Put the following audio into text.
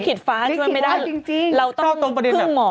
ลิขิตฟ้าช่วยไม่ได้เราต้องพึ่งหมอ